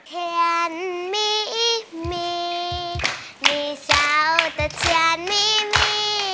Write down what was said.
เทียนมีมีมีเช้าแต่เทียนมีมี